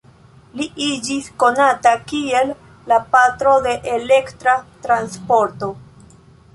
Li iĝis konata kiel la "Patro de Elektra Transporto".